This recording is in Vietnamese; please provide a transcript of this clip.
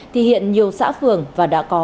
thì hiện nhiều xã phường và đã có